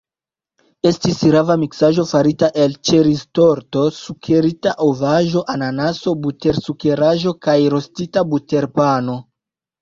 Estis rava miksaĵo farita el ĉeriztorto, sukerita ovaĵo, ananaso, butersukeraĵo kaj rostita buterpano.